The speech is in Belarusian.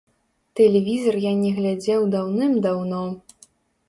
Тэлевізар я не глядзеў даўным-даўно.